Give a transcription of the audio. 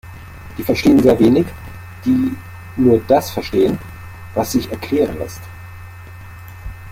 Die verstehen sehr wenig, die nur das verstehen, was sich erklären lässt.